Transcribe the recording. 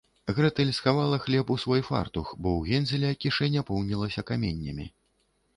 Грэтэль схавала хлеб у свой фартух, бо ў Гензеля кішэня поўнілася каменнямі